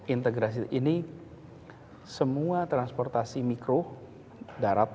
integrasi ini semua transportasi mikro darat